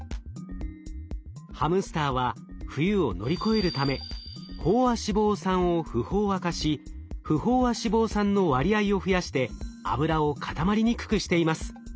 ハムスターは冬を乗り越えるため飽和脂肪酸を不飽和化し不飽和脂肪酸の割合を増やして脂を固まりにくくしています。